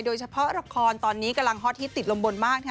โดยเฉพาะละครตอนนี้กำลังฮอตฮิตติดลมบนมาก